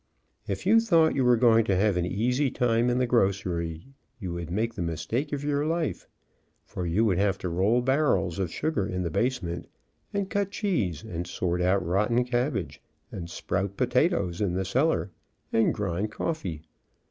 If you thought you were going to have an easy time in the grocery you would make the mistake of your life, for you would have to roll barrels of sugar in the basement, and cut cheese and sort out rotten cabbage, and sprout potatoes in the cellar, and grind coffee.